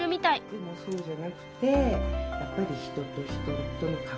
でもそうじゃなくてやっぱり人と人との関わり合いとか。